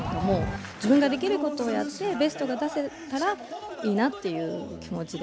自分ができることをやって、ベストが出せたらいいなという気持ちで。